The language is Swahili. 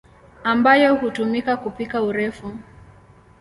ambayo hutumika kupika urefu.